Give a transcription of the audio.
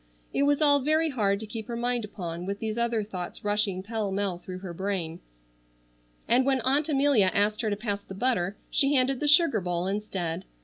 It was all very hard to keep her mind upon, with these other thoughts rushing pell mell through her brain; and when Aunt Amelia asked her to pass the butter, she handed the sugar bowl instead.